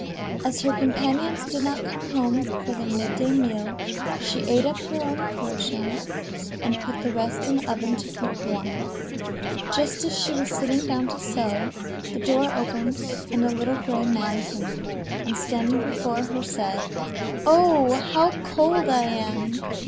As her companions did not come home for their mid day meal, she ate up her own portion and put the rest in the oven to keep warm. Just as she was sitting down to sew, the door opened and a little gray man came in, and, standing before her, said: 'Oh! how cold I am!